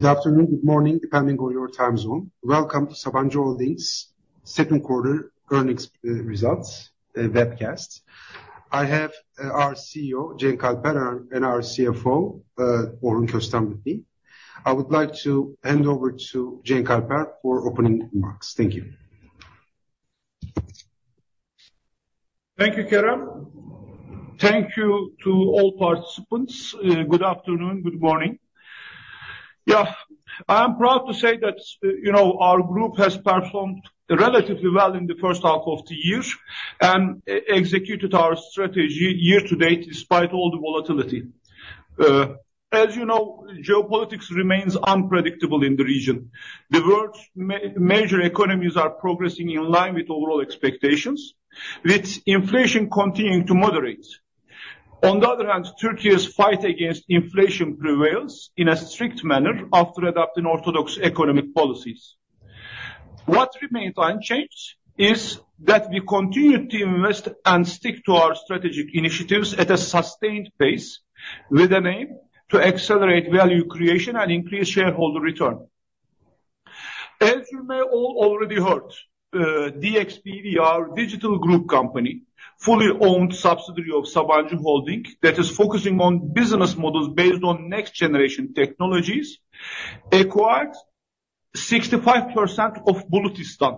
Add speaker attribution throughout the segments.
Speaker 1: Good afternoon, good morning, depending on your time zone. Welcome to Sabancı Holding's second quarter earnings results webcast. I have our CEO, Cenk Alper, and our CFO, Orhun Köstem with me. I would like to hand over to Cenk Alper for opening remarks. Thank you.
Speaker 2: Thank you, Kerem. Thank you to all participants. Good afternoon, good morning. Yeah, I am proud to say that, you know, our group has performed relatively well in the first half of the year, and executed our strategy year-to-date, despite all the volatility. As you know, geopolitics remains unpredictable in the region. The world's major economies are progressing in line with overall expectations, with inflation continuing to moderate. On the other hand, Turkey's fight against inflation prevails in a strict manner after adopting orthodox economic policies. What remains unchanged is that we continue to invest and stick to our strategic initiatives at a sustained pace, with an aim to accelerate value creation and increase shareholder return. As you may all already heard, DxBV, our digital group company, fully owned subsidiary of Sabancı Holding, that is focusing on business models based on next generation technologies, acquired 65% of Bulutistan,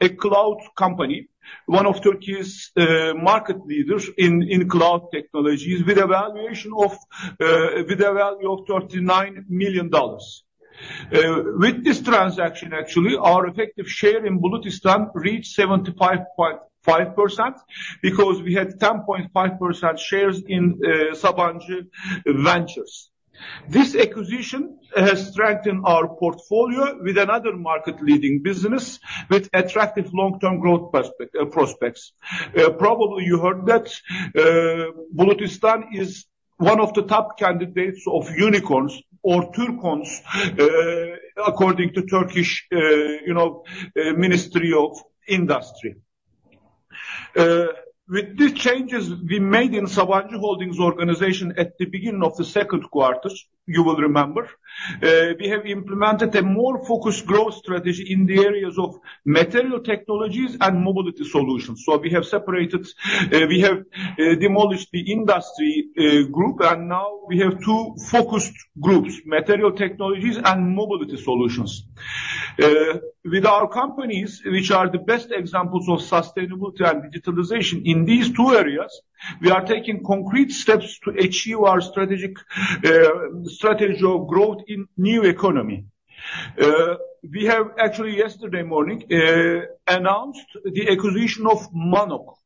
Speaker 2: a cloud company, one of Turkey's market leaders in cloud technologies, with a valuation of, with a value of $39 million. With this transaction, actually, our effective share in Bulutistan reached 75.5%, because we had 10.5% shares in Sabancı Ventures. This acquisition has strengthened our portfolio with another market-leading business with attractive long-term growth prospects. Probably you heard that, Bulutistan is one of the top candidates of unicorns or Turcorns, according to Turkish, you know, Ministry of Industry. With these changes we made in Sabancı Holding's organization at the beginning of the second quarter, you will remember, we have implemented a more focused growth strategy in the areas of Material Technologies and Mobility Solutions, so we have separated, demolished the industry group, and now we have two focused groups, Material Technologies and Mobility Solutions. With our companies, which are the best examples of sustainability and digitalization in these two areas, we are taking concrete steps to achieve our strategic strategy of growth in new economy. We have actually yesterday morning announced the acquisition of Mannok.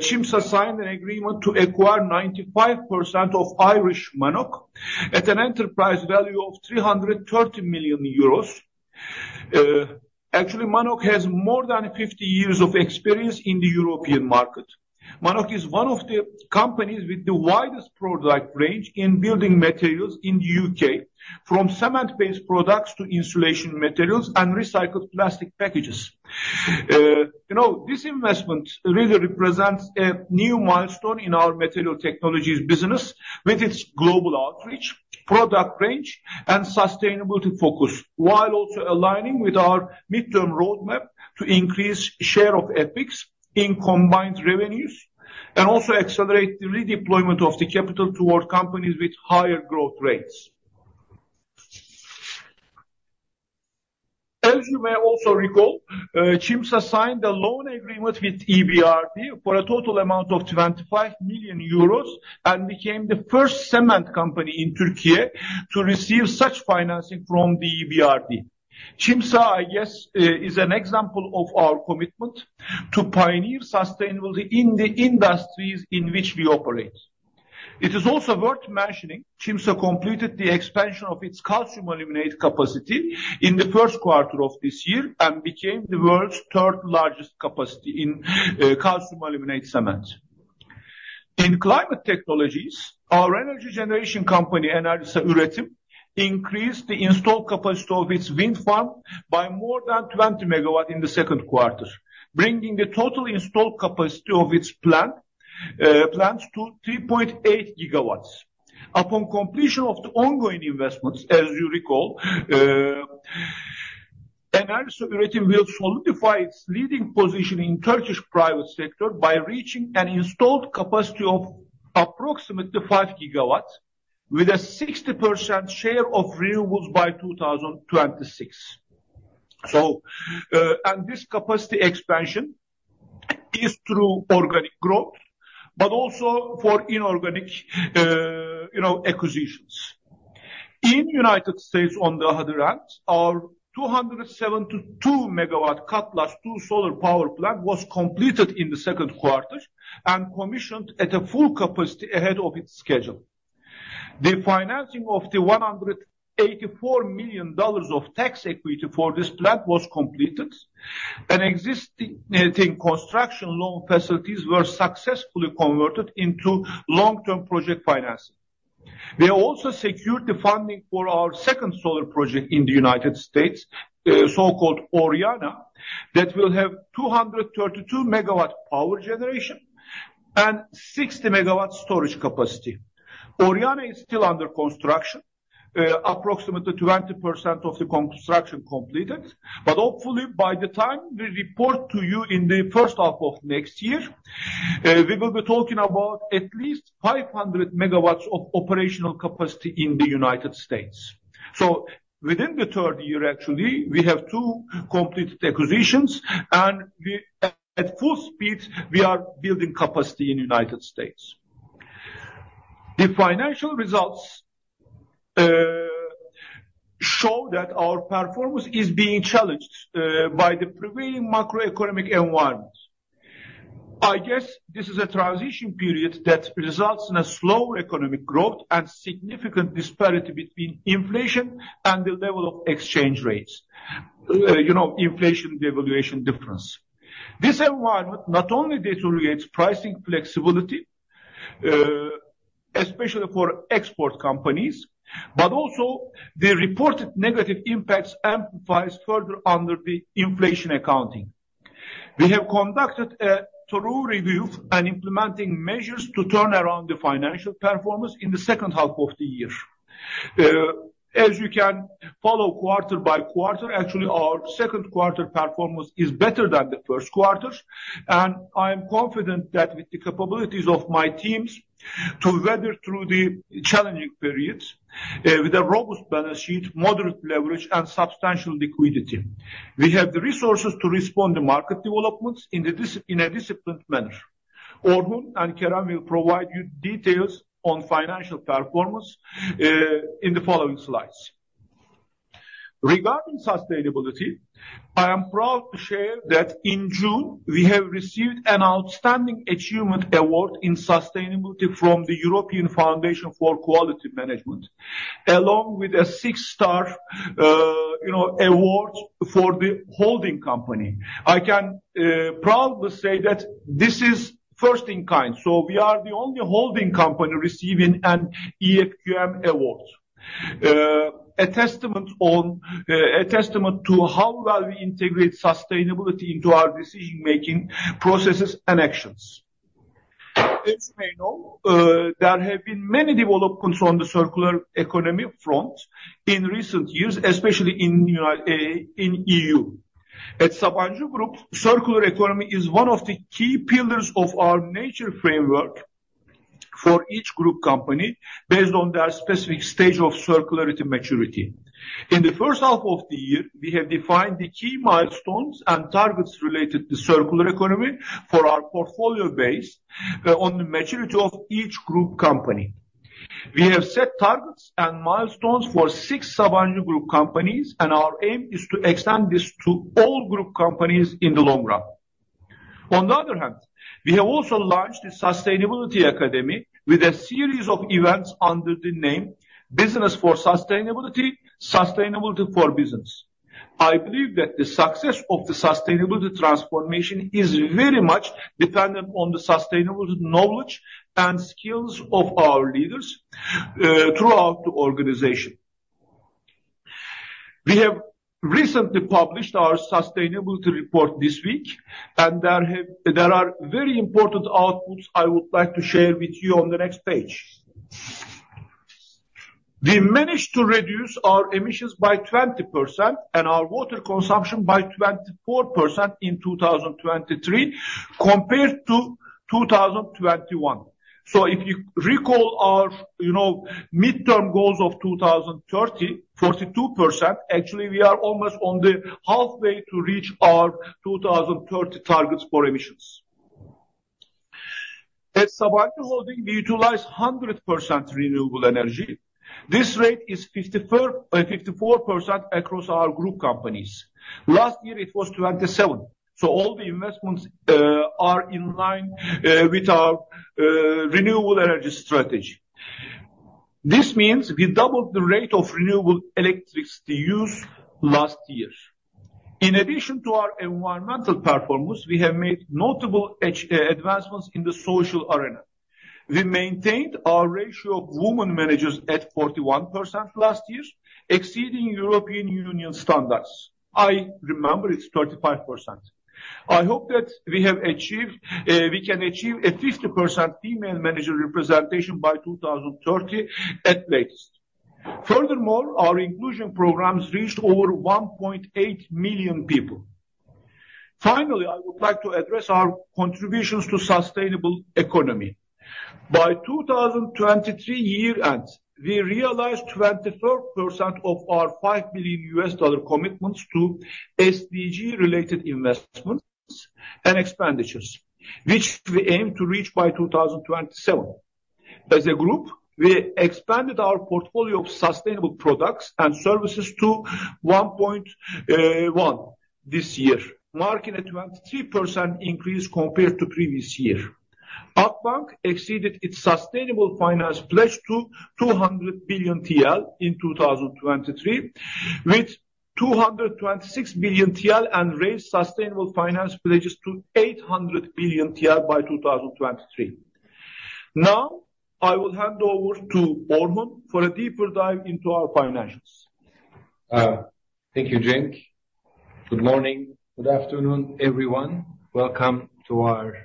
Speaker 2: Çimsa signed an agreement to acquire 95% of Irish Mannok at an enterprise value of 330 million euros. Actually, Mannok has more than 50 years of experience in the European market. Mannok is one of the companies with the widest product range in building materials in the U.K., from cement-based products to insulation materials and recycled plastic packages. You know, this investment really represents a new milestone in our Material Technologies business, with its global outreach, product range, and sustainability focus, while also aligning with our midterm roadmap to increase share of EBITDA in combined revenues, and also accelerate the redeployment of the capital toward companies with higher growth rates. As you may also recall, Çimsa signed a loan agreement with EBRD for a total amount of 25 million euros, and became the first cement company in Turkey to receive such financing from the EBRD. Çimsa, I guess, is an example of our commitment to pioneer sustainability in the industries in which we operate. It is also worth mentioning, Çimsa completed the expansion of its calcium aluminate capacity in the first quarter of this year, and became the world's third-largest capacity in calcium aluminate cement. In climate technologies, our energy generation company, Enerjisa Üretim, increased the installed capacity of its wind farm by more than 20 MW in the second quarter, bringing the total installed capacity of its plant, plants to 3.8 GW. Upon completion of the ongoing investments, as you recall, Enerjisa Üretim will solidify its leading position in Turkish private sector by reaching an installed capacity of approximately 5 GW, with a 60% share of renewables by 2026. So, and this capacity expansion is through organic growth, but also for inorganic, you know, acquisitions. In the United States, on the other hand, our 272-MW Cutlass II solar power plant was completed in the second quarter, and commissioned at a full capacity ahead of its schedule. The financing of the $184 million of tax equity for this plant was completed, and existing construction loan facilities were successfully converted into long-term project financing. We also secured the funding for our second solar project in the United States, so-called Oriana, that will have 232-MW power generation and 60-MW storage capacity. Oriana is still under construction, approximately 20% of the construction completed, but hopefully by the time we report to you in the first half of next year, we will be talking about at least 500 MW of operational capacity in the United States. So within the third year, actually, we have two completed acquisitions, and we, at full speed, we are building capacity in United States. The financial results show that our performance is being challenged by the prevailing macroeconomic environment. I guess this is a transition period that results in a slower economic growth and significant disparity between inflation and the level of exchange rates. You know, inflation, devaluation difference. This environment not only deteriorates pricing flexibility, especially for export companies, but also the reported negative impacts amplifies further under the inflation accounting. We have conducted a thorough review and implementing measures to turn around the financial performance in the second half of the year. As you can follow quarter-by-quarter, actually, our second quarter performance is better than the first quarters, and I am confident that with the capabilities of my teams to weather through the challenging periods, with a robust balance sheet, moderate leverage, and substantial liquidity, we have the resources to respond to market developments in a disciplined manner. Orhun and Kerem will provide you details on financial performance in the following slides. Regarding sustainability, I am proud to share that in June, we have received an Outstanding Achievement Award in sustainability from the European Foundation for Quality Management, along with a six-star, you know, award for the holding company. I can proudly say that this is first in kind, so we are the only holding company receiving an EFQM award. A testament to how well we integrate sustainability into our decision-making processes and actions. As you may know, there have been many developments on the circular economy front in recent years, especially in EU. At Sabancı Group, circular economy is one of the key pillars of our Nature Framework for each group company, based on their specific stage of circularity maturity. In the first half of the year, we have defined the key milestones and targets related to circular economy for our portfolio base, on the maturity of each group company. We have set targets and milestones for six Sabancı Group companies, and our aim is to extend this to all group companies in the long run. On the other hand, we have also launched a Sustainability Academy with a series of events under the name Business for Sustainability, Sustainability for Business. I believe that the success of the sustainability transformation is very much dependent on the sustainable knowledge and skills of our leaders throughout the organization. We have recently published our sustainability report this week, and there are very important outputs I would like to share with you on the next page. We managed to reduce our emissions by 20% and our water consumption by 24% in 2023, compared to 2021. So if you recall our, you know, midterm goals of 2030, 42%, actually, we are almost on the halfway to reach our 2030 targets for emissions. At Sabancı Holding, we utilize 100% renewable energy. This rate is 54% across our group companies. Last year, it was 27%, so all the investments are in line with our renewable energy strategy. This means we doubled the rate of renewable electricity use last year. In addition to our environmental performance, we have made notable advancements in the social arena. We maintained our ratio of women managers at 41% last year, exceeding European Union standards. I remember it's 35%. I hope that we have achieved, we can achieve a 50% female manager representation by 2030 at latest. Furthermore, our inclusion programs reached over 1.8 million people. Finally, I would like to address our contributions to sustainable economy. By 2023 year-end, we realized 24% of our $5 billion commitments to SDG-related investments and expenditures, which we aim to reach by 2027. As a group, we expanded our portfolio of sustainable products and services to 1.1 billion this year, marking a 23% increase compared to previous year. Akbank exceeded its sustainable finance pledge to 200 billion TL in 2023, with 226 billion TL, and raised sustainable finance pledges to 800 billion TL by 2023. Now, I will hand over to Orhun for a deeper dive into our financials.
Speaker 3: Thank you, Cenk. Good morning, good afternoon, everyone. Welcome to our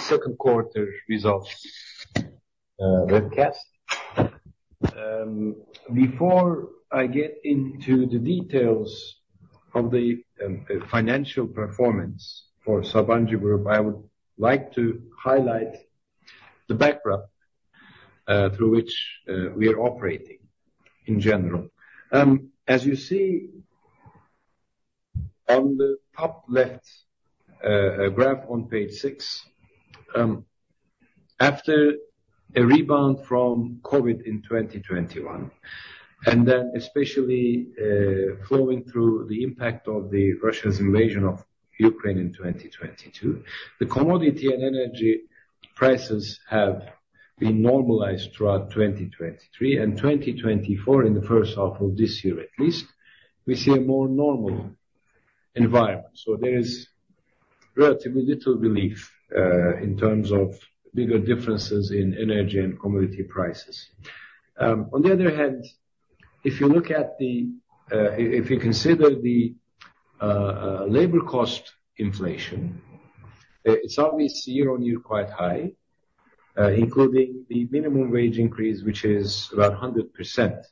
Speaker 3: second quarter results webcast. Before I get into the details of the financial performance for Sabancı Group, I would like to highlight the backdrop through which we are operating in general. As you see on the top left graph on page six, after a rebound from COVID in 2021, and then especially flowing through the impact of Russia's invasion of Ukraine in 2022, the commodity and energy prices have been normalized throughout 2023 and 2024. In the first half of this year at least, we see a more normal environment. So there is relatively little relief in terms of bigger differences in energy and commodity prices. On the other hand, if you look at the, if you consider the, labor cost inflation, it's obviously year-on-year quite high, including the minimum wage increase, which is around 100%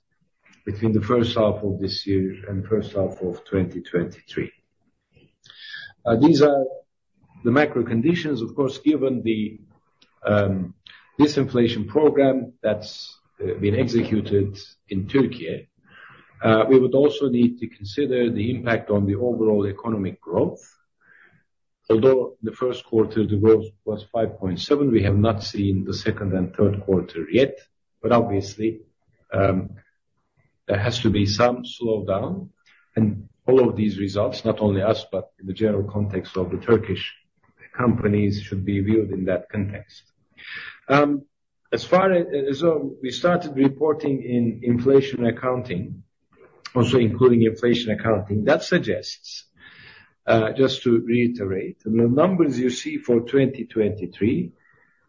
Speaker 3: between the first half of this year and first half of 2023. These are the macro conditions, of course, given the, disinflation program that's, been executed in Turkey. We would also need to consider the impact on the overall economic growth. Although the first quarter, the growth was 5.7, we have not seen the second and third quarter yet, but obviously, there has to be some slowdown, and all of these results, not only us, but in the general context of the Turkish companies, should be viewed in that context. As far as we started reporting in inflation accounting, also including inflation accounting, that suggests just to reiterate, the numbers you see for 2023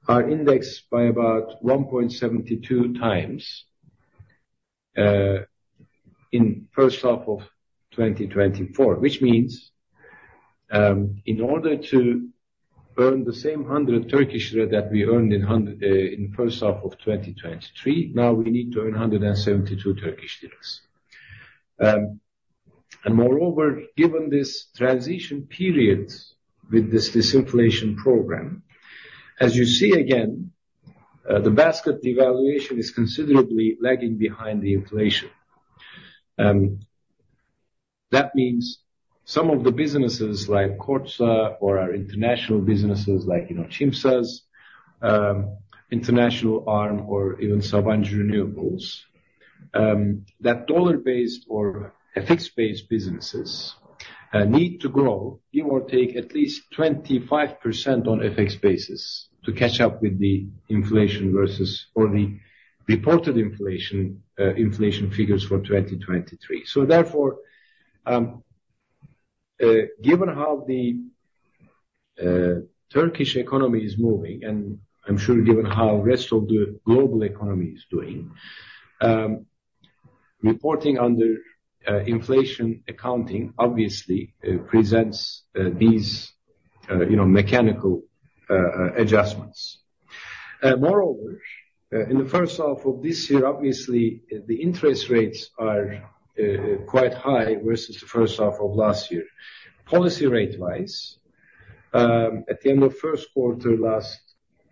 Speaker 3: are indexed by about 1.72x in first half of 2024. Which means, in order to earn the same 100 that we earned in 100 in first half of 2023, now we need to earn TRY 172. And moreover, given this transition period with this disinflation program, as you see again, the basket devaluation is considerably lagging behind the inflation. That means some of the businesses, like Kordsa or our international businesses, like, you know, Çimsa's international arm or even Sabancı Renewables, that dollar-based or FX-based businesses need to grow, give or take, at least 25% on FX basis to catch up with the inflation versus or the reported inflation inflation figures for 2023. So therefore, given how the Turkish economy is moving, and I'm sure given how the rest of the global economy is doing, reporting under inflation accounting obviously presents these, you know, mechanical adjustments. Moreover, in the first half of this year, obviously, the interest rates are quite high versus the first half of last year. Policy rate-wise, at the end of first quarter last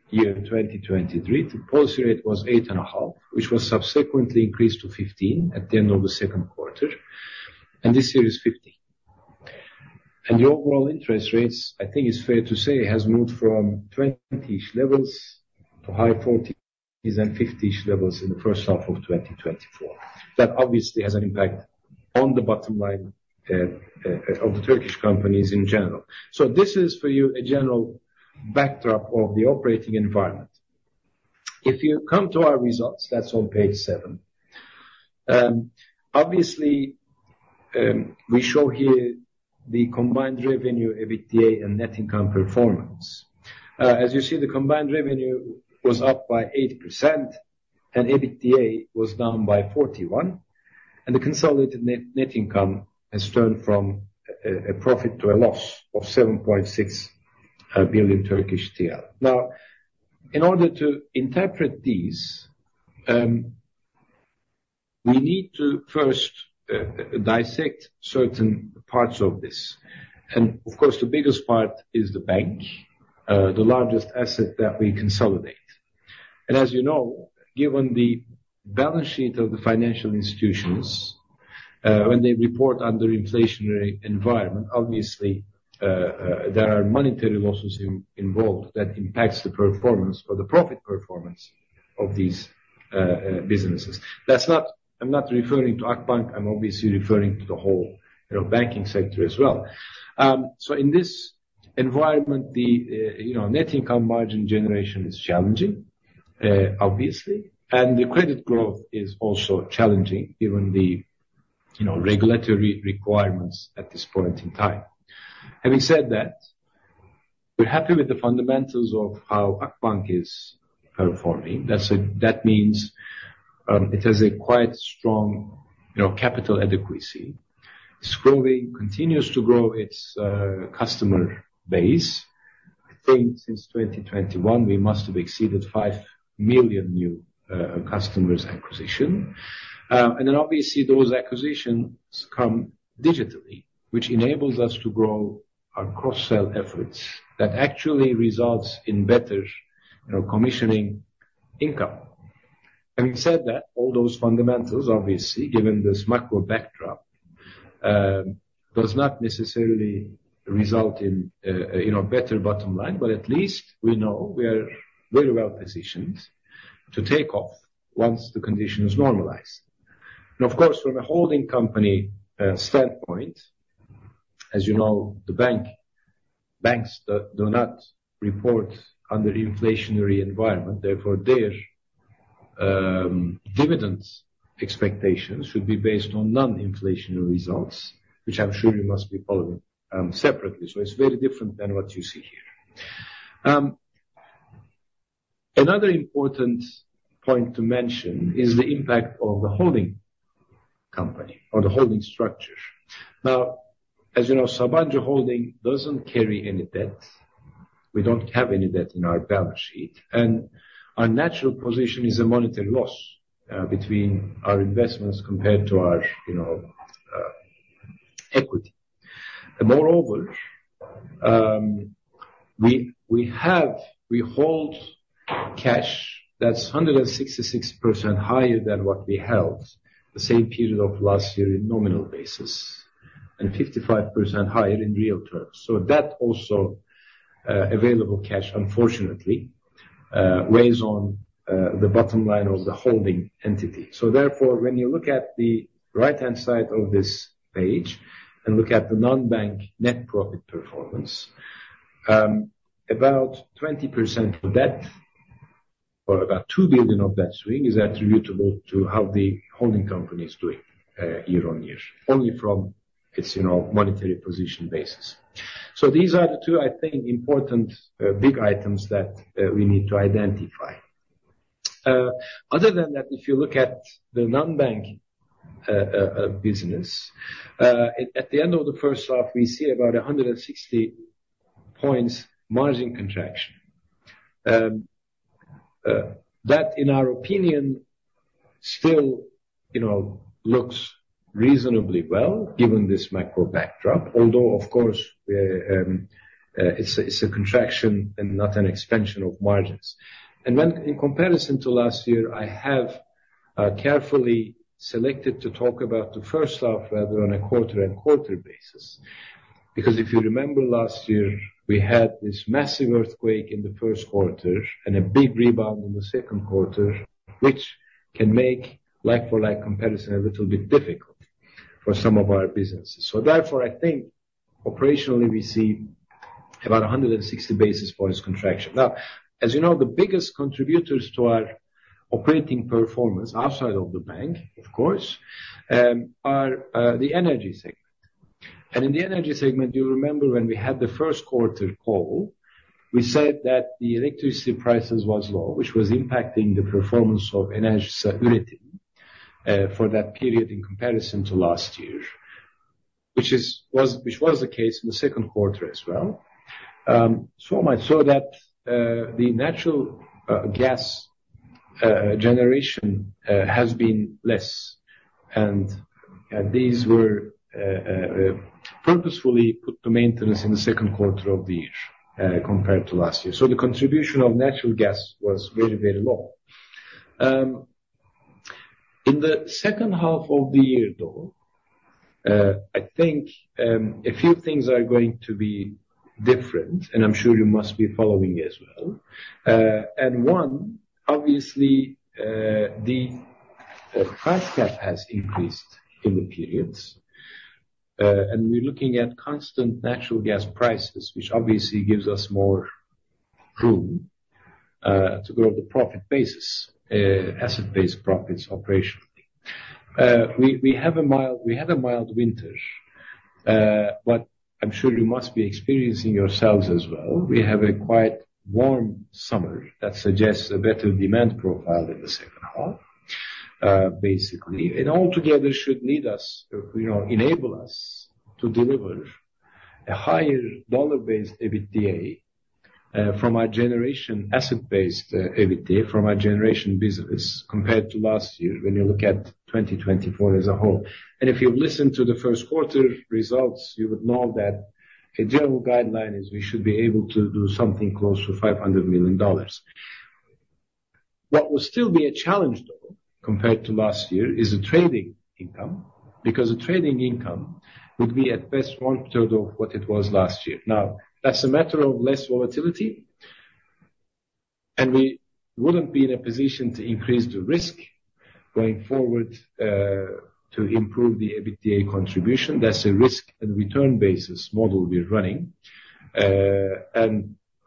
Speaker 3: year, 2023, the policy rate was eight and a half, which was subsequently increased to fifteen at the end of the second quarter, and this year is fifty. The overall interest rates, I think it's fair to say, has moved from 20-ish levels to high forty and fifty-ish levels in the first half of 2024. That obviously has an impact on the bottom line of the Turkish companies in general. This is for you, a general backdrop of the operating environment. If you come to our results, that's on page seven. Obviously, we show here the combined revenue, EBITDA and net income performance. As you see, the combined revenue was up by 8%, and EBITDA was down by 41%, and the consolidated net income has turned from a profit to a loss of 7.6 billion Turkish TL. Now, in order to interpret these, we need to first dissect certain parts of this. Of course, the biggest part is the bank, the largest asset that we consolidate. And as you know, given the balance sheet of the financial institutions, when they report under inflationary environment, obviously there are monetary losses involved that impacts the performance or the profit performance of these businesses. That's not, I'm not referring to Akbank, I'm obviously referring to the whole, you know, banking sector as well. So in this environment, the, you know, net income margin generation is challenging, obviously, and the credit growth is also challenging given the regulatory requirements at this point in time. Having said that, we're happy with the fundamentals of how Akbank is performing. That means it has a quite strong, you know, capital adequacy. It's growing, continues to grow its customer base. I think since 2021, we must have exceeded 5 million new customers acquisition. And then obviously, those acquisitions come digitally, which enables us to grow our cross-sell efforts. That actually results in better, you know, commission income. Having said that, all those fundamentals, obviously, given this macro backdrop, does not necessarily result in, you know, better bottom line, but at least we know we are very well positioned to take off once the condition is normalized. And of course, from a holding company standpoint, as you know, the banks do not report under the inflationary environment, therefore, their dividends expectations should be based on non-inflationary results, which I'm sure you must be following, separately. So it's very different than what you see here. Another important point to mention is the impact of the holding company or the holding structure. Now, as you know, Sabancı Holding doesn't carry any debt. We don't have any debt in our balance sheet, and our natural position is a monetary loss, between our investments compared to our, you know, equity. Moreover, we hold cash that's 166% higher than what we held the same period of last year in nominal basis, and 55% higher in real terms. So that also, available cash, unfortunately, weighs on the bottom line of the holding entity. So therefore, when you look at the right-hand side of this page and look at the non-bank net profit performance, about 20% of debt or about 2 billion of that swing, is attributable to how the holding company is doing, year-on-year, only from its, you know, monetary position basis. So these are the two, I think, important big items that we need to identify. Other than that, if you look at the non-bank business at the end of the first half, we see about 160 points margin contraction. That, in our opinion, still, you know, looks reasonably well, given this macro backdrop, although, of course, it's a contraction and not an expansion of margins. And when in comparison to last year, I have carefully selected to talk about the first half, rather on a quarter and quarter basis. Because if you remember last year, we had this massive earthquake in the first quarter and a big rebound in the second quarter, which can make like-for-like comparison a little bit difficult for some of our businesses. So therefore, I think operationally, we see about 160 basis points contraction. Now, as you know, the biggest contributors to our operating performance outside of the bank, of course, are the Energy segment. And in the Energy segment, you remember when we had the first quarter call, we said that the electricity prices was low, which was impacting the performance of Enerjisa Üretim for that period in comparison to last year, which was the case in the second quarter as well. So much so that the natural gas generation has been less, and these were purposefully put to maintenance in the second quarter of the year compared to last year. So the contribution of natural gas was very, very low. In the second half of the year, though, I think a few things are going to be different, and I'm sure you must be following as well. One, obviously, the price cap has increased in the periods, and we're looking at constant natural gas prices, which obviously gives us more room to grow the profit bases, asset-based profits operationally. We had a mild winter, but I'm sure you must be experiencing yourselves as well. We have a quite warm summer that suggests a better demand profile in the second half, basically. Altogether should lead us, you know, enable us to deliver a higher dollar-based EBITDA from our generation, asset-based EBITDA from our generation business, compared to last year, when you look at 2024 as a whole. If you listen to the first quarter results, you would know that a general guideline is we should be able to do something close to $500 million. What will still be a challenge, though, compared to last year, is the trading income, because the trading income would be at best one third of what it was last year. Now, that's a matter of less volatility, and we wouldn't be in a position to increase the risk going forward, to improve the EBITDA contribution. That's a risk and return basis model we're running.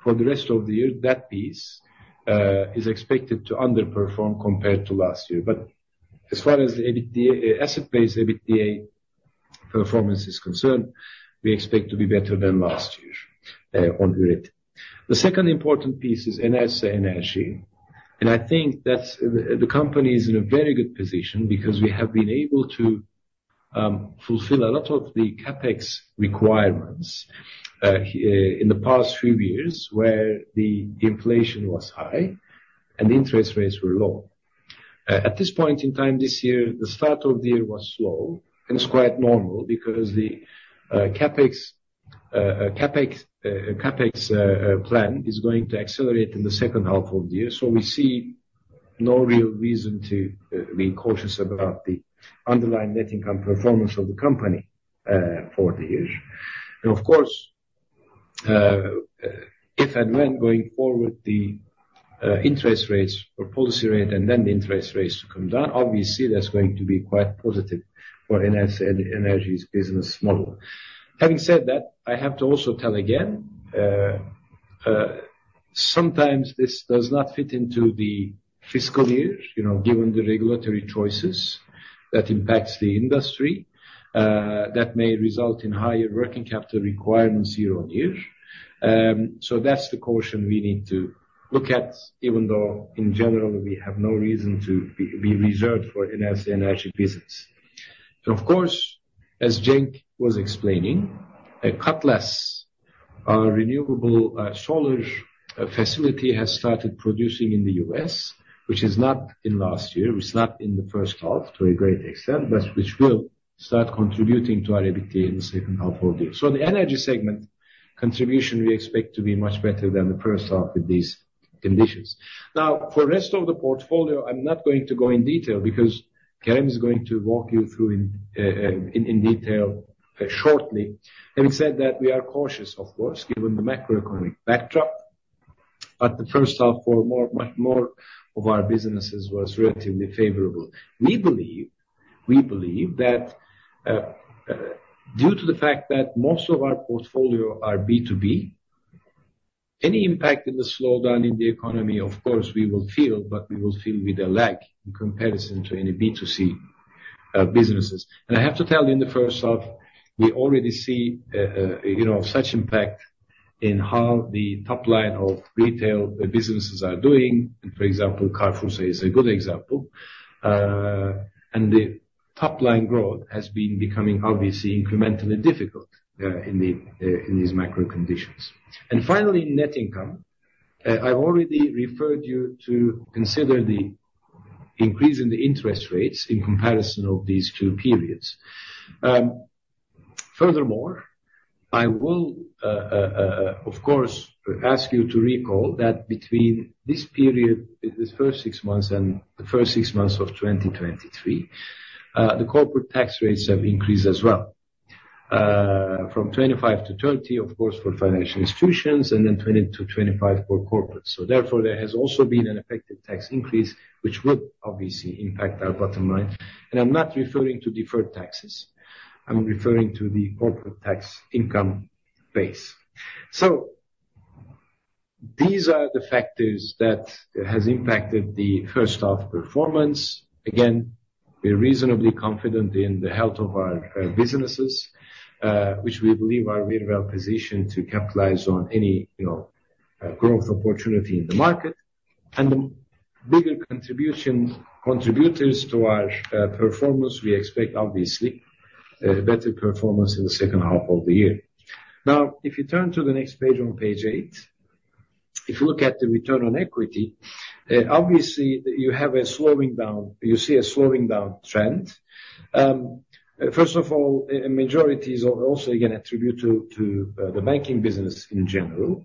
Speaker 3: For the rest of the year, that piece is expected to underperform compared to last year. But as far as the EBITDA, asset base EBITDA performance is concerned, we expect to be better than last year, on year eight. The second important piece is Enerjisa Enerji, and I think that's the company is in a very good position because we have been able to fulfill a lot of the CapEx requirements in the past few years, where the inflation was high and the interest rates were low. At this point in time this year, the start of the year was slow, and it's quite normal because the CapEx plan is going to accelerate in the second half of the year. So we see no real reason to be cautious about the underlying net income performance of the company for the year. And of course, if and when going forward, the interest rates or policy rate and then the interest rates come down, obviously, that's going to be quite positive for Enerjisa Enerji's business model. Having said that, I have to also tell again, sometimes this does not fit into the fiscal year, you know, given the regulatory choices that impacts the industry, that may result in higher working capital requirements year-on-year. So that's the caution we need to look at, even though in general, we have no reason to be reserved for Enerjisa Enerji business. Of course, as Cenk was explaining, at Cutlass, our renewable, solar, facility has started producing in the U.S., which is not in last year, it's not in the first half to a great extent, but which will start contributing to our EBITDA in the second half of the year. So the Energy segment contribution, we expect to be much better than the first half with these conditions. Now, for the rest of the portfolio, I'm not going to go in detail because Kerem is going to walk you through in detail shortly. Having said that, we are cautious, of course, given the macroeconomic backdrop, but the first half or more, much more of our businesses was relatively favorable. We believe that due to the fact that most of our portfolio are B2B, any impact in the slowdown in the economy, of course we will feel, but we will feel with a lag in comparison to any B2C businesses. And I have to tell you, in the first half, we already see, you know, such impact in how the top line of retail businesses are doing. For example, CarrefourSA is a good example. And the top-line growth has been becoming obviously incrementally difficult in these macro conditions. And finally, net income. I've already referred you to consider the increase in the interest rates in comparison of these two periods. Furthermore, I will, of course, ask you to recall that between this period, this first six months and the first six months of 2023, the corporate tax rates have increased as well, from 25% to 30%, of course, for financial institutions, and then 20%-25% for corporates. So therefore, there has also been an effective tax increase, which would obviously impact our bottom line. And I'm not referring to deferred taxes, I'm referring to the corporate tax income base. So these are the factors that has impacted the first half performance. Again, we're reasonably confident in the health of our businesses, which we believe are very well positioned to capitalize on any, you know, growth opportunity in the market. The bigger contribution, contributors to our performance, we expect obviously better performance in the second half of the year. Now, if you turn to the next page, on page 8. If you look at the return on equity, obviously you have a slowing down, you see a slowing down trend. First of all, a majority is also again attribute to the banking business in general.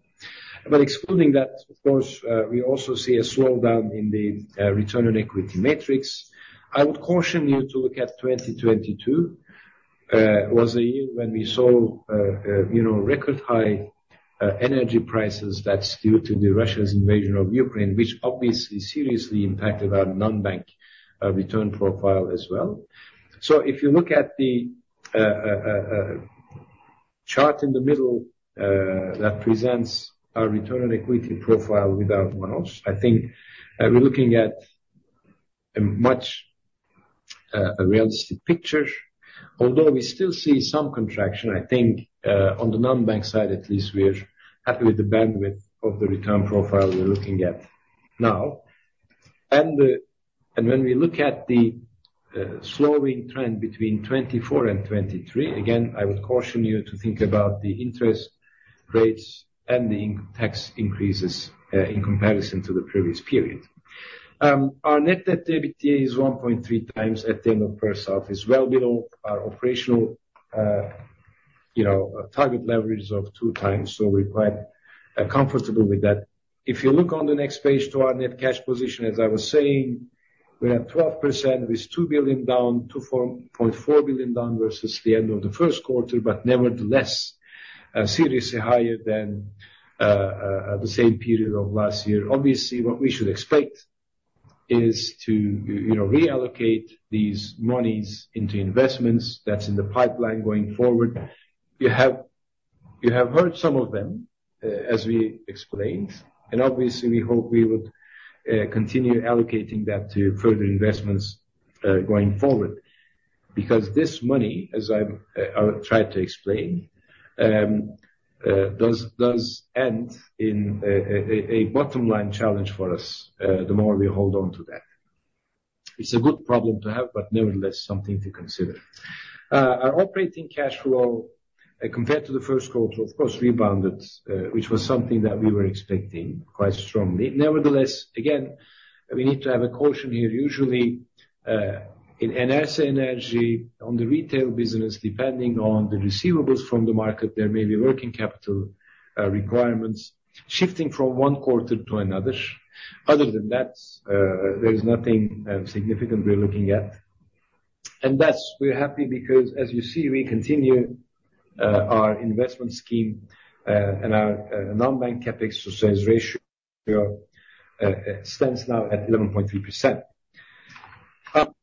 Speaker 3: But excluding that, of course, we also see a slowdown in the return on equity metrics. I would caution you to look at 2022, was a year when we saw, you know, record high energy prices that's due to Russia's invasion of Ukraine, which obviously seriously impacted our non-bank return profile as well. So if you look at the chart in the middle, that presents our return on equity profile without one-offs. I think we're looking at a much realistic picture. Although we still see some contraction, I think on the non-bank side, at least we're happy with the bandwidth of the return profile we're looking at now. And when we look at the slowing trend between 2024 and 2023, again, I would caution you to think about the interest rates and the income tax increases in comparison to the previous period. Our net debt to EBITDA is 1.3x at the end of first half. It's well below our operational, you know, target leverage of 2x, so we're quite comfortable with that. If you look on the next page to our net cash position, as I was saying, we're at 12%, with 2 billion down, 2.4 billion down versus the end of the first quarter, but nevertheless, seriously higher than the same period of last year. Obviously, what we should expect is to, you know, reallocate these moneys into investments that's in the pipeline going forward. You have, you have heard some of them, as we explained, and obviously we hope we would continue allocating that to further investments, going forward. Because this money, as I'm, I'll try to explain, does end in a bottom line challenge for us, the more we hold on to that. It's a good problem to have, but nevertheless, something to consider. Our operating cash flow, compared to the first quarter, of course, rebounded, which was something that we were expecting quite strongly. Nevertheless, again, we need to have a caution here. Usually, in Enerjisa Enerji, on the retail business, depending on the receivables from the market, there may be working capital requirements shifting from one quarter to another. Other than that, there is nothing significant we're looking at. And that's we're happy because, as you see, we continue our investment scheme, and our non-bank CapEx to sales ratio stands now at 11.3%.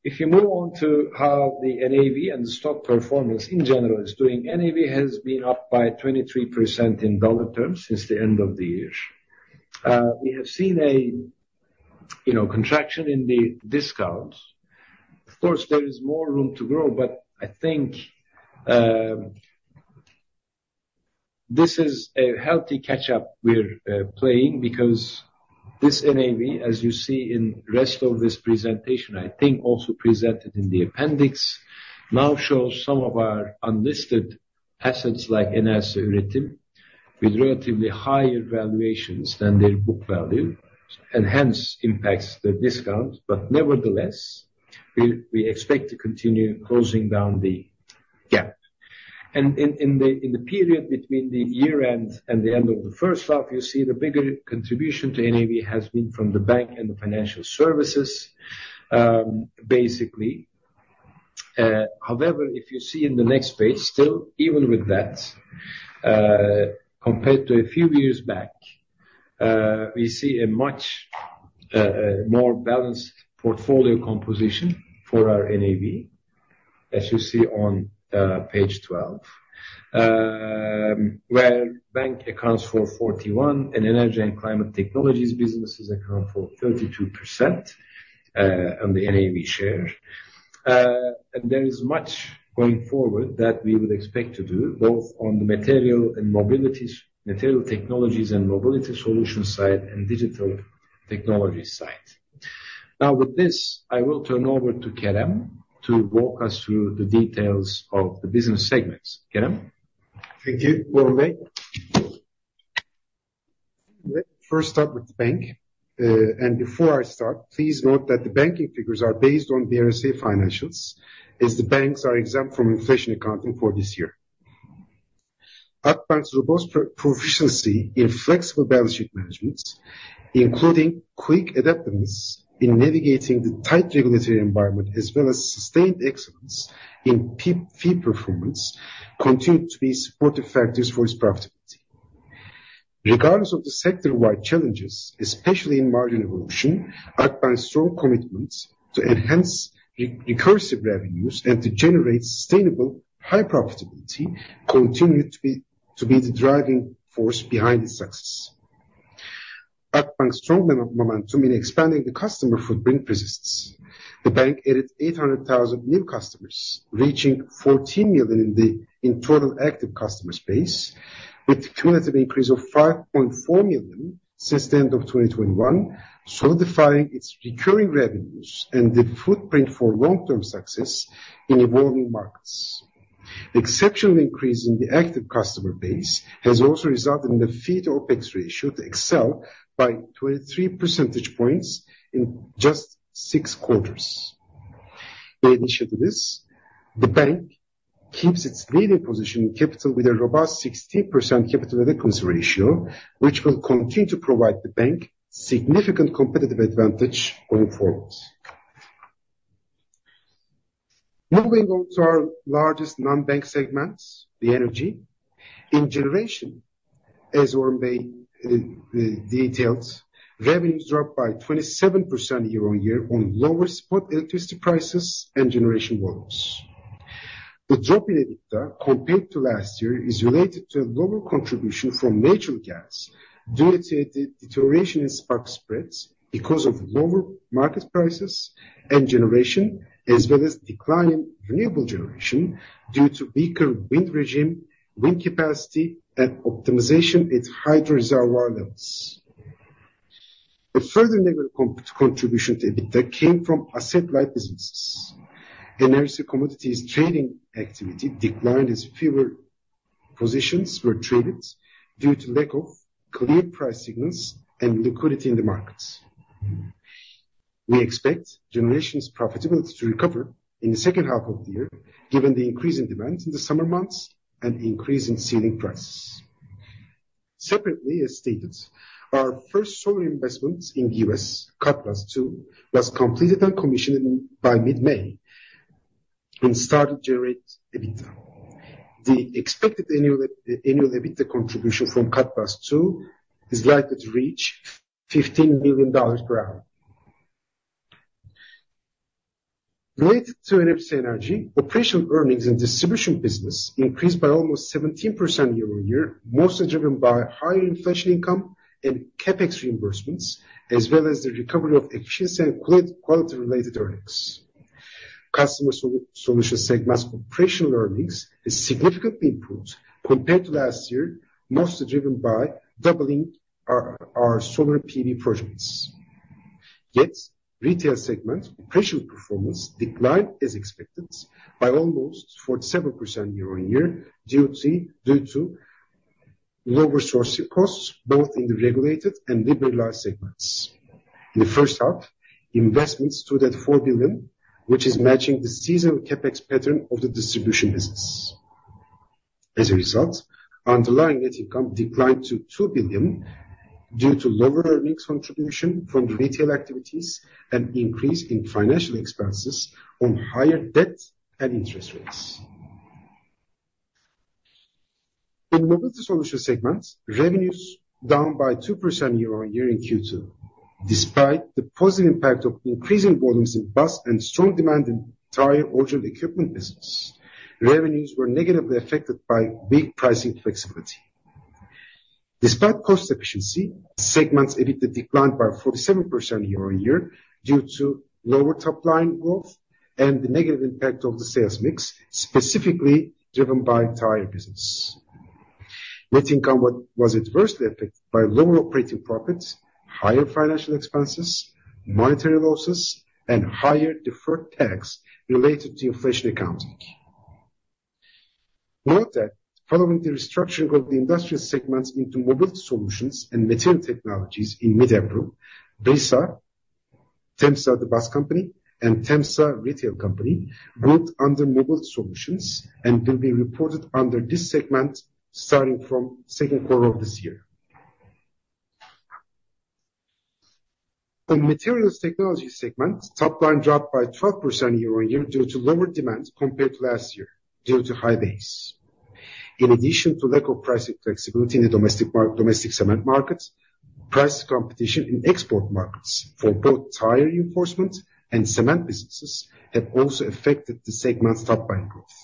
Speaker 3: If you move on to how the NAV and the stock performance in general is doing, NAV has been up by 23% in dollar terms since the end of the year. We have seen a, you know, contraction in the discounts. Of course, there is more room to grow, but I think this is a healthy catch-up we're playing because this NAV, as you see in the rest of this presentation, I think also presented in the appendix, now shows some of our unlisted assets like Enerjisa Üretim, with relatively higher valuations than their book value, and hence impacts the discount. But nevertheless, we expect to continue closing down the gap. In the period between the year-end and the end of the first half, you see the bigger contribution to NAV has been from the bank and the financial services, basically. However, if you see in the next page, still, even with that, compared to a few years back, we see a much more balanced portfolio composition for our NAV, as you see on page 12. Where bank accounts for 41%, and energy and climate technologies businesses account for 32% on the NAV share. And there is much going forward that we would expect to do, both on the material and mobilities, Material Technologies and Mobility Solutions side, and digital technology side. Now, with this, I will turn over to Kerem to walk us through the details of the business segments. Kerem?
Speaker 1: Thank you, Orhun. Let's first start with the bank. And before I start, please note that the banking figures are based on IFRS financials, as the banks are exempt from inflation accounting for this year. Akbank's robust proficiency in flexible balance sheet management, including quick adaptation in navigating the tight regulatory environment, as well as sustained excellence in fee performance, continue to be supportive factors for its profitability. Regardless of the sector-wide challenges, especially in margin evolution, Akbank's strong commitment to enhance recurring revenues and to generate sustainable, high profitability, continue to be the driving force behind the success. Akbank's strong momentum in expanding the customer footprint persists. The bank added 800,000 new customers, reaching 14 million in the total active customer space, with cumulative increase of 5.4 million since the end of 2021, solidifying its recurring revenues and the footprint for long-term success in evolving markets. Exceptional increase in the active customer base has also resulted in the fee-to-OPEX ratio to excel by 23 percentage points in just six quarters. In addition to this, the bank keeps its leading position in capital with a robust 16% Capital Adequacy Ratio, which will continue to provide the bank significant competitive advantage going forward. Moving on to our largest non-bank segments, the energy. In generation, as Orhun detailed, revenues dropped by 27% year-on-year on lower spot electricity prices and generation volumes. The drop in EBITDA compared to last year is related to a lower contribution from natural gas, due to the deterioration in spot spreads because of lower market prices and generation, as well as decline in renewable generation due to weaker wind regime, wind capacity, and optimization at hydro reservoir levels. A further negative contribution to EBITDA came from asset-light businesses. Enerjisa Commodities trading activity declined as fewer positions were traded, due to lack of clear price signals and liquidity in the markets. We expect generation's profitability to recover in the second half of the year, given the increase in demand in the summer months and increase in ceiling prices. Separately, as stated, our first solar investment in the U.S., Cutlass II, was completed and commissioned by mid-May and started to generate EBITDA. The expected annual EBITDA contribution from Cutlass II is likely to reach $15 million per annum. Related to Enerjisa Enerji, operational earnings and distribution business increased by almost 17% year-on-year, mostly driven by higher inflation income and CapEx reimbursements, as well as the recovery of efficiency and quality-related earnings. Customer Solutions segment's operational earnings has significantly improved compared to last year, mostly driven by doubling our solar PV projects. Yet, Retail segment operational performance declined as expected by almost 47% year-on-year, due to lower sourcing costs, both in the regulated and liberalized segments. In the first half, investments stood at 4 billion, which is matching the seasonal CapEx pattern of the distribution business. As a result, underlying net income declined to 2 billion due to lower earnings contribution from the retail activities and increase in financial expenses on higher debt and interest rates. In Mobility Solutions segment, revenues down by 2% year-on-year in Q2, despite the positive impact of increasing volumes in bus and strong demand in tire original equipment business, revenues were negatively affected by weak pricing flexibility. Despite cost efficiency, segments EBITDA declined by 47% year-on-year due to lower top-line growth and the negative impact of the sales mix, specifically driven by tire business. Net income was adversely affected by lower operating profits, higher financial expenses, monetary losses, and higher deferred tax related to inflation accounting. Note that following the restructuring of the industrial segments into Mobility Solutions and Material Technologies in mid-April, Brisa, Temsa, the bus company, and Temsa retail company, grouped under Mobility Solutions and will be reported under this segment starting from second quarter of this year. In Materials Technology segment, top line dropped by 12% year-on-year due to lower demand compared to last year, due to high base. In addition to lack of pricing flexibility in the domestic cement market, price competition in export markets for both tire reinforcement and cement businesses have also affected the segment's top-line growth.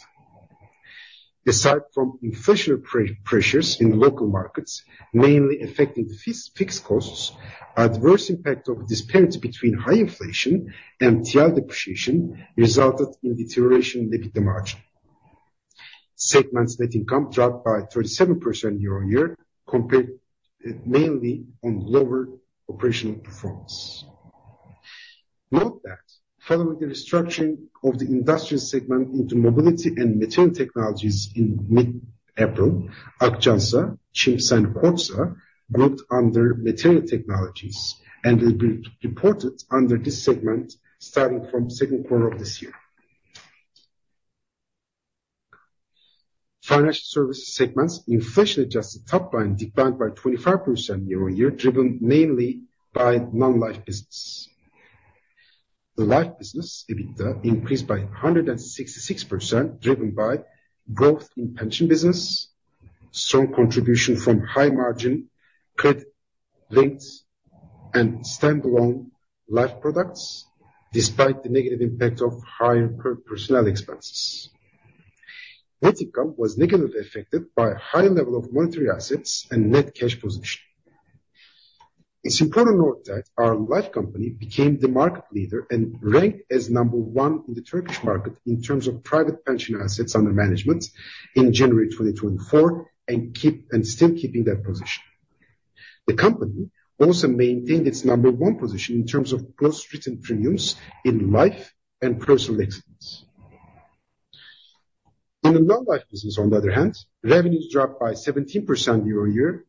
Speaker 1: Aside from inflationary pressures in local markets, mainly affecting fixed costs, adverse impact of disparity between high inflation and TRY depreciation resulted in deterioration in EBITDA margin. Segment's net income dropped by 37% year-on-year, compared mainly on lower operational performance. Note that following the restructuring of the industrial segment into Mobility and Material Technologies in mid-April, Akçansa, Çimsa, and Kordsa, grouped under Material Technologies, and will be reported under this segment starting from second quarter of this year. Financial Services segment, inflation-adjusted top line declined by 25% year-on-year, driven mainly by non-life business. The life business EBITDA increased by 166%, driven by growth in pension business, strong contribution from high margin credit rates, and standalone life products, despite the negative impact of higher personnel expenses. Net income was negatively affected by a high level of monetary assets and net cash position. It's important to note that our life company became the market leader and ranked as number one in the Turkish market in terms of private pension assets under management in January 2024, and still keeping that position. The company also maintained its number one position in terms of gross written premiums in life and personal accident. In the non-life business, on the other hand, revenues dropped by 17% year-on-year.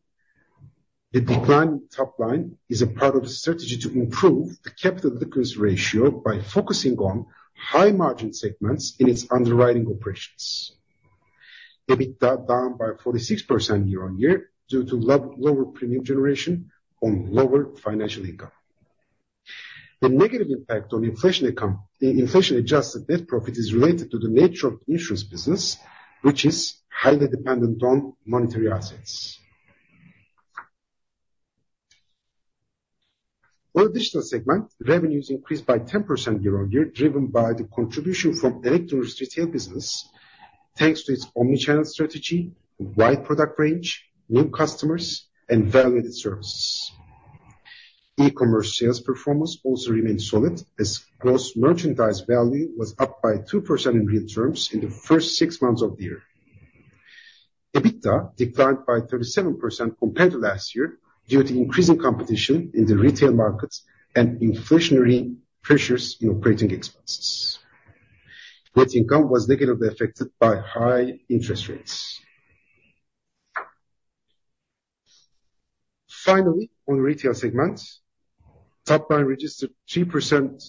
Speaker 1: The decline in top line is a part of the strategy to improve the capital adequacy ratio by focusing on high-margin segments in its underwriting operations. EBITDA down by 46% year-on-year, due to lower premium generation on lower financial income. The negative impact on inflation accounting, inflation-adjusted net profit, is related to the nature of the insurance business, which is highly dependent on monetary assets. For the retail segment, revenues increased by 10% year-on-year, driven by the contribution from electronic retail business, thanks to its omni-channel strategy, wide product range, new customers, and value-added services. E-commerce sales performance also remained solid, as gross merchandise value was up by 2% in real terms in the first six months of the year. EBITDA declined by 37% compared to last year, due to increasing competition in the retail market and inflationary pressures in operating expenses. Net income was negatively affected by high interest rates. Finally, on Retail segment, top line registered 3%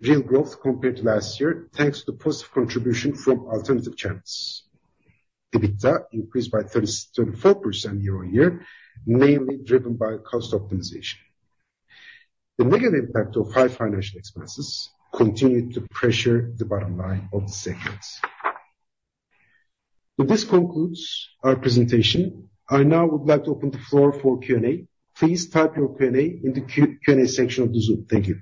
Speaker 1: real growth compared to last year, thanks to positive contribution from alternative channels. EBITDA increased by 34% year-on-year, mainly driven by cost optimization. The negative impact of high financial expenses continued to pressure the bottom line of the segments. This concludes our presentation. I now would like to open the floor for Q&A. Please type your Q&A in the Q&A section of the Zoom. Thank you.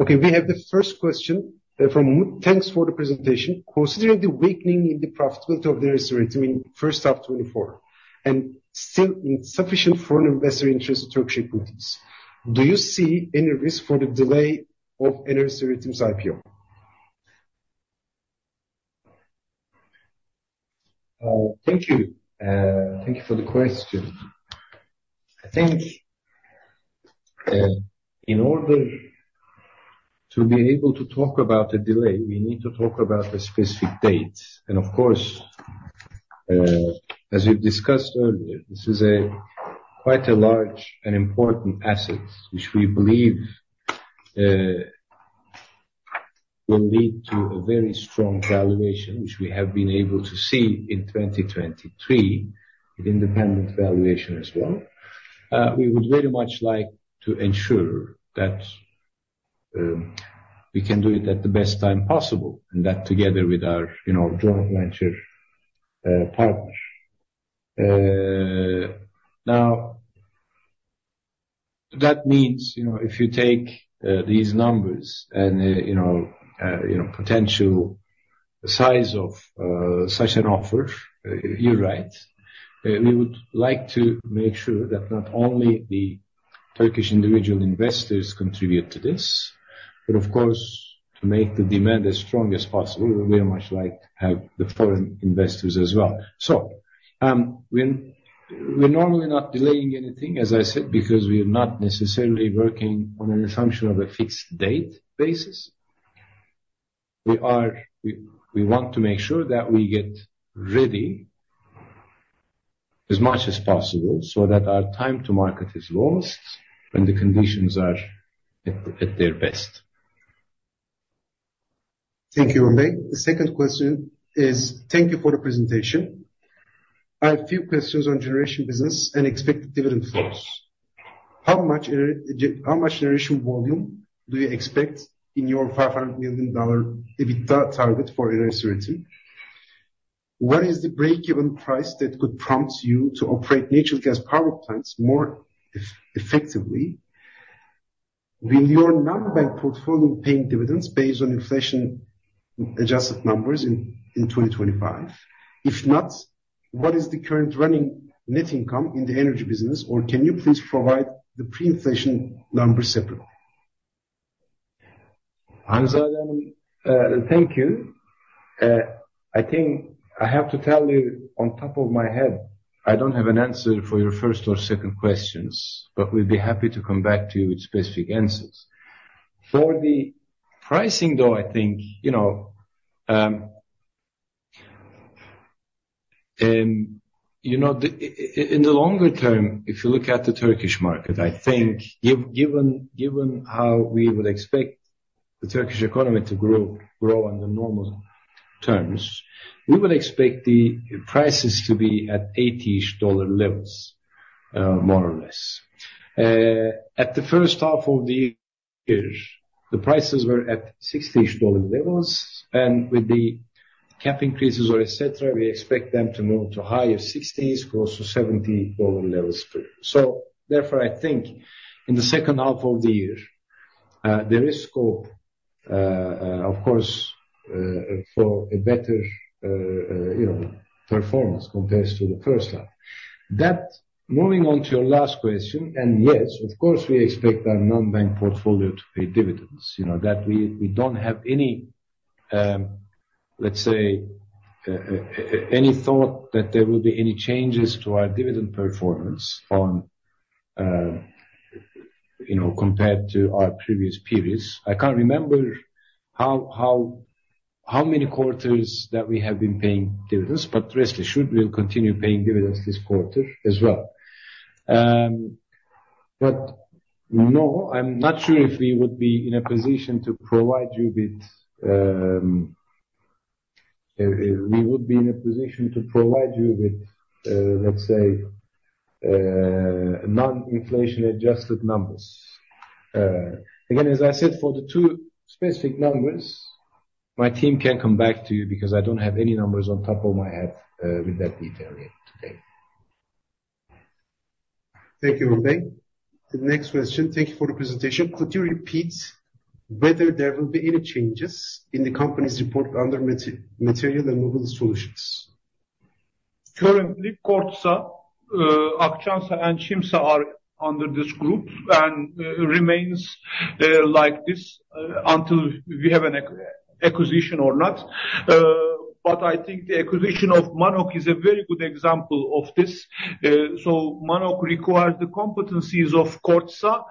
Speaker 1: Okay, we have the first question, from. Thanks for the presentation. Considering the weakening in the profitability of the Energy Retail in first half 2024, and still insufficient foreign investor interest in Turkish equities, do you see any risk for the delay of Energy Retail's IPO?
Speaker 3: Thank you. Thank you for the question. I think, in order to be able to talk about the delay, we need to talk about the specific dates. And of course, as we've discussed earlier, this is quite a large and important asset, which we believe, will lead to a very strong valuation, which we have been able to see in 2023, with independent valuation as well. We would very much like to ensure that, we can do it at the best time possible, and that together with our, you know, joint venture, partners. Now, that means, you know, if you take, these numbers and, you know, you know, potential size of, such an offer, you're right. We would like to make sure that not only the Turkish individual investors contribute to this, but of course, to make the demand as strong as possible, we would very much like to have the foreign investors as well. So, we're normally not delaying anything, as I said, because we're not necessarily working on a function of a fixed date basis. We want to make sure that we get ready as much as possible so that our time to market is lowest when the conditions are at their best.
Speaker 1: Thank you, Orhun. The second question is. Thank you for the presentation. I have a few questions on generation business and expected dividend flows. How much generation volume do you expect in your $500 million EBITDA target for Energy Retail? What is the break-even price that could prompt you to operate natural gas power plants more effectively? Will your non-bank portfolio paying dividends based on inflation-adjusted numbers in 2025? If not, what is the current running net income in the energy business, or can you please provide the pre-inflation numbers separately?
Speaker 3: Thank you. I think I have to tell you on top of my head, I don't have an answer for your first or second questions, but we'd be happy to come back to you with specific answers. For the pricing, though, I think, you know, in the longer term, if you look at the Turkish market, I think given how we would expect the Turkish economy to grow on the normal terms, we would expect the prices to be at $80-ish levels, more or less. At the first half of the year, the prices were at $60-ish levels, and with the cap increases or etc., we expect them to move to higher sixties, close to $70 levels. So therefore, I think in the second half of the year, there is scope, of course, for a better, you know, performance compared to the first half. Moving on to your last question, and yes, of course, we expect our non-bank portfolio to pay dividends. You know, that we don't have any, let's say, any thought that there will be any changes to our dividend performance on, you know, compared to our previous periods. I can't remember how many quarters that we have been paying dividends, but rest assured, we'll continue paying dividends this quarter as well. But no, I'm not sure if we would be in a position to provide you with, let's say, non-inflation-adjusted numbers. Again, as I said, for the two specific numbers, my team can come back to you because I don't have any numbers on top of my head with that detail yet today.
Speaker 1: Thank you, Orhun. The next question: Thank you for the presentation. Could you repeat whether there will be any changes in the company's report under Material and Mobility Solutions?
Speaker 2: Currently, Kordsa, Akçansa, and Çimsa are under this group, and remains like this until we have an acquisition or not. But I think the acquisition of Mannok is a very good example of this. So Mannok requires the competencies of Kordsa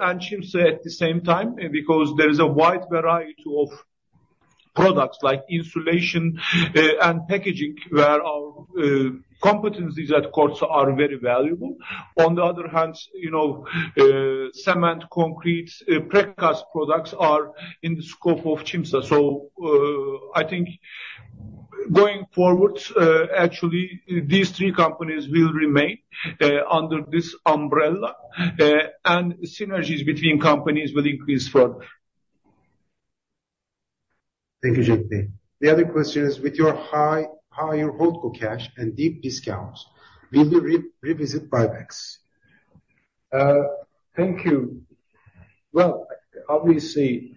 Speaker 2: and Çimsa at the same time, because there is a wide variety of products like insulation and packaging, where our competencies at Kordsa are very valuable. On the other hand, you know, cement, concrete, precast products are in the scope of Çimsa. So I think going forward, actually, these three companies will remain under this umbrella, and synergies between companies will increase further.
Speaker 1: Thank you, Cenk. The other question is, with your higher holdco cash and deep discounts, will you revisit buybacks?
Speaker 3: Thank you. Well, obviously,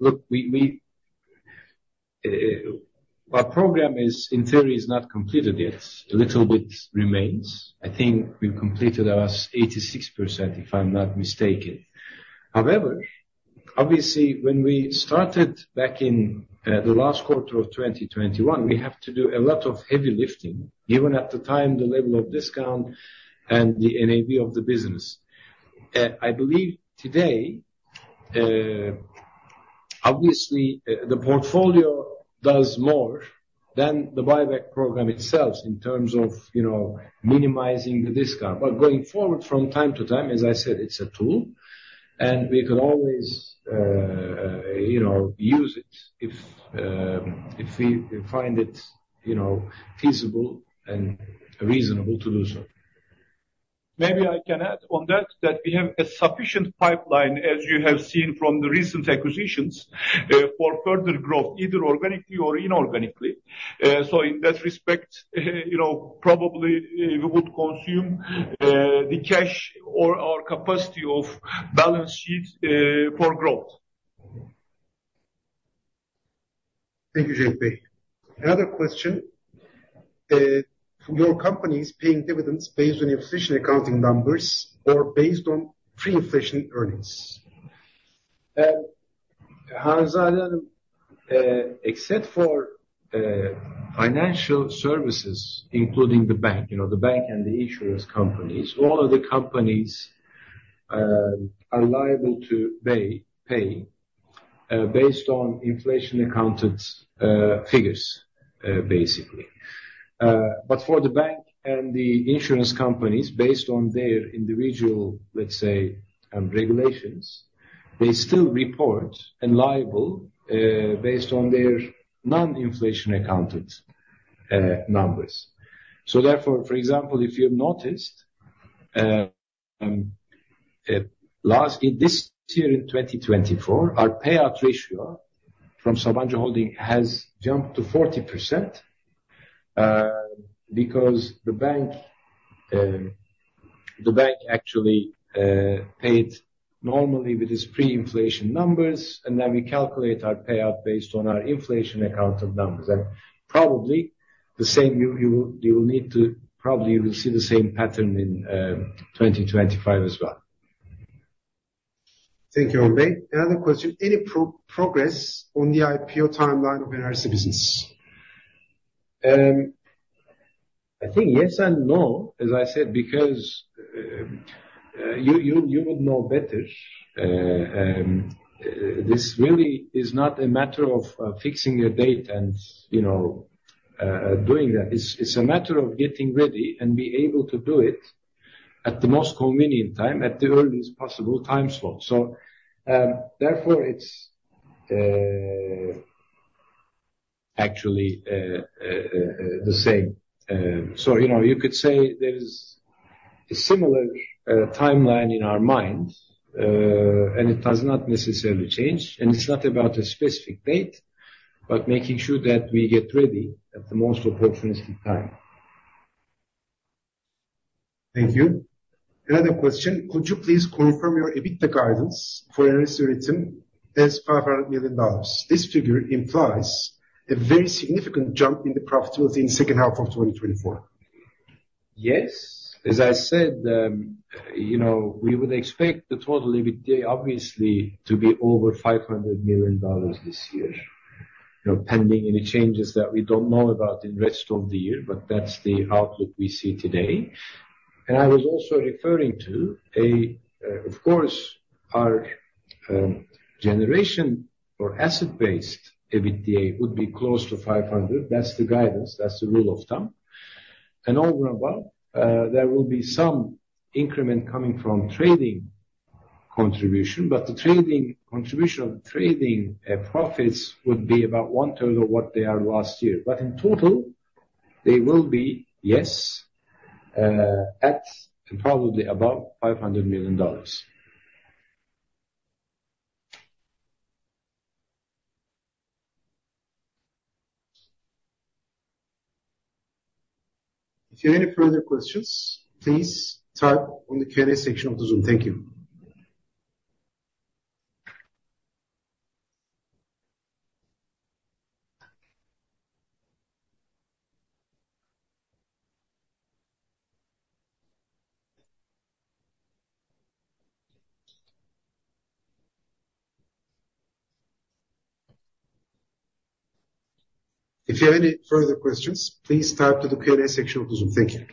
Speaker 3: look, we, our program is in theory, is not completed yet. A little bit remains. I think we've completed around 86%, if I'm not mistaken. However, obviously, when we started back in, the last quarter of 2021, we have to do a lot of heavy lifting, given at the time, the level of discount and the NAV of the business. I believe today, obviously, the portfolio does more than the buyback program itself in terms of, you know, minimizing the discount. But going forward from time to time, as I said, it's a tool, and we can always, you know, use it if, we find it, you know, feasible and reasonable to do so.
Speaker 2: Maybe I can add on that, that we have a sufficient pipeline, as you have seen from the recent acquisitions, for further growth, either organically or inorganically. So in that respect, you know, probably, we would consume the cash or our capacity of balance sheet for growth.
Speaker 1: Thank you, Cenk. Another question, your company is paying dividends based on your official accounting numbers or based on pre-inflation earnings?
Speaker 3: Except for financial services, including the bank, you know, the bank and the insurance companies, all of the companies are liable to pay based on inflation-accounted figures, basically. But for the bank and the insurance companies, based on their individual, let's say, regulations, they still report and liable based on their non-inflation-accounted numbers. So therefore, for example, if you've noticed, last year, this year in 2024, our payout ratio from Sabancı Holding has jumped to 40% because the bank, the bank actually paid normally with its pre-inflation numbers, and then we calculate our payout based on our inflation-accounted numbers. And probably the same you will need to probably you will see the same pattern in 2025 as well.
Speaker 1: Thank you, Orhun. Another question: Any progress on the IPO timeline of energy business?
Speaker 3: I think yes and no, as I said, because you would know better. This really is not a matter of fixing a date and, you know, doing that. It's a matter of getting ready and be able to do it at the most convenient time, at the earliest possible time slot. So, therefore, it's actually the same. So, you know, you could say there is a similar timeline in our mind, and it does not necessarily change, and it's not about a specific date, but making sure that we get ready at the most opportunistic time.
Speaker 1: Thank you. Another question: Could you please confirm your EBITDA guidance for 2024 as $500 million? This figure implies a very significant jump in the profitability in second half of 2024.
Speaker 3: Yes. As I said, you know, we would expect the total EBITDA, obviously, to be over $500 million this year. You know, pending any changes that we don't know about in the rest of the year, but that's the outlook we see today. And I was also referring to, of course, our generation or asset-based EBITDA would be close to $500 million. That's the guidance, that's the rule of thumb. And over a while, there will be some increment coming from trading contribution, but the trading contribution, trading profits would be about one third of what they are last year. But in total, they will be, yes, at and probably above $500 million.
Speaker 1: If you have any further questions, please type to the Q&A section of the Zoom. Thank you. If you have any further questions, please type in the Q&A section of Zoom. Another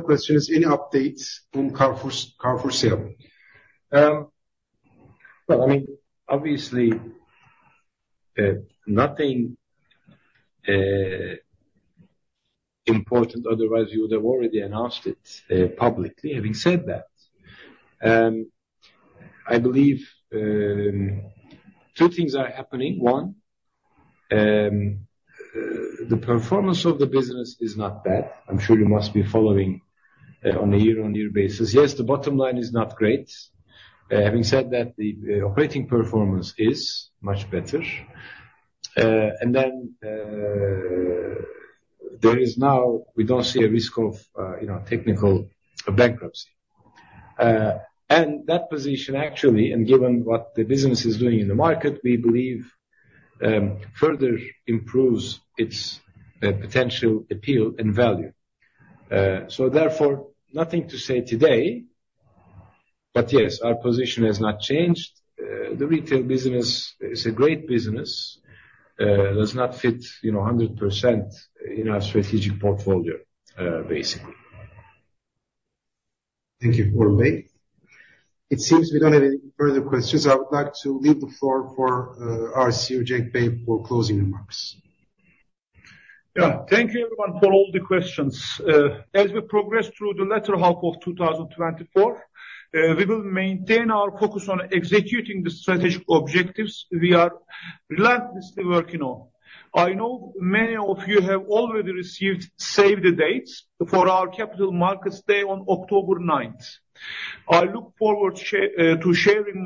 Speaker 1: question is: Any updates on Carrefour, CarrefourSA?
Speaker 3: Well, I mean, obviously, nothing important, otherwise we would have already announced it publicly. Having said that, I believe two things are happening. One, the performance of the business is not bad. I'm sure you must be following on a year-on-year basis. Yes, the bottom line is not great. Having said that, the operating performance is much better. And then, there is now. We don't see a risk of, you know, technical bankruptcy. And that position, actually, and given what the business is doing in the market, we believe further improves its potential appeal and value. So therefore, nothing to say today, but yes, our position has not changed. The retail business is a great business, does not fit, you know, 100% in our strategic portfolio, basically.
Speaker 1: Thank you, Orhun. It seems we don't have any further questions. I would like to leave the floor for our CEO, Cenk Alper, for closing remarks.
Speaker 2: Yeah. Thank you, everyone, for all the questions. As we progress through the latter half of 2024, we will maintain our focus on executing the strategic objectives we are relentlessly working on. I know many of you have already received save the dates for our Capital Markets Day on October 9th. I look forward to sharing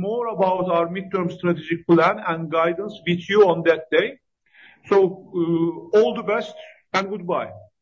Speaker 2: more about our midterm strategic plan and guidance with you on that day. All the best, and goodbye.